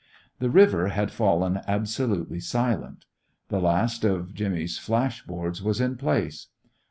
The river had fallen absolutely silent. The last of Jimmy's flash boards was in place.